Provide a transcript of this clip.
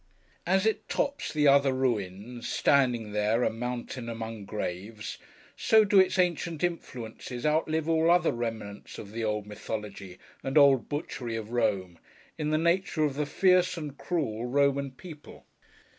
As it tops the other ruins: standing there, a mountain among graves: so do its ancient influences outlive all other remnants of the old mythology and old butchery of Rome, in the nature of the fierce and cruel Roman people.